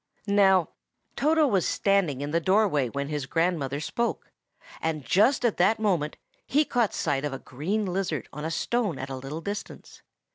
Now, Toto was standing in the doorway when his grandmother spoke, and just at that moment he caught sight of a green lizard on a stone at a little distance.